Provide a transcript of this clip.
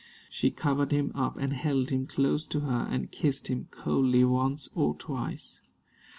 She covered him up and held him close to her, and kissed him coldly once or twice.